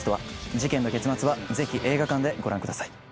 事件の結末はぜひ映画館でご覧ください